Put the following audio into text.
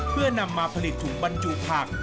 เพื่อนำมาผลิตถุงบรรจุผัก